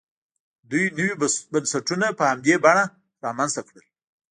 دوی نوي بنسټونه په همدې بڼه رامنځته کړل.